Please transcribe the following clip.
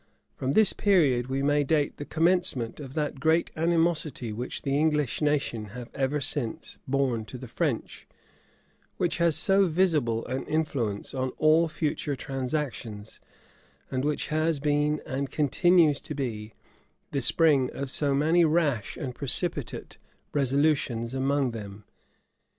From this period we may date the commencement of that great animosity which the English nation have ever since borne to the French, which has so visible an influence on all future transactions, and which has been, and continues to be, the spring of many rash and precipitate resolutions among them.